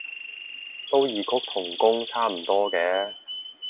都異曲同工差唔多嘅